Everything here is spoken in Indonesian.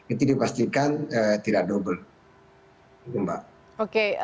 itu dipastikan tidak double